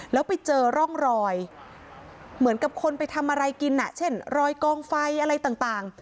แล้วไปเจอร่องรอยเหมือนกับคนไปทำอะไรกินเช่นรอยกองไฟอะไรต่าง